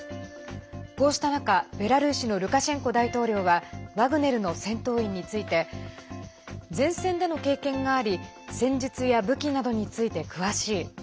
こうした中、ベラルーシのルカシェンコ大統領はワグネルの戦闘員について前線での経験があり戦術や武器などについて詳しい。